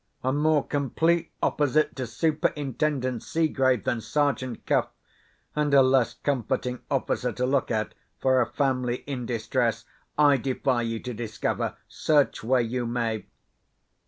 A more complete opposite to Superintendent Seegrave than Sergeant Cuff, and a less comforting officer to look at, for a family in distress, I defy you to discover, search where you may.